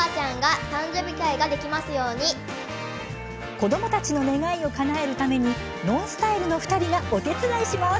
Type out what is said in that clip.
子どもたちの願いをかなえるためにＮＯＮＳＴＹＬＥの２人がお手伝いします。